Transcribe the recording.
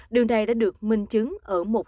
điều này đã được minh chứng ở một số